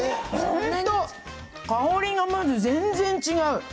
本当、香りがまず全然違う。